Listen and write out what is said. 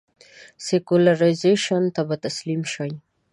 سیکولرایزېشن ته به تسلیم شي.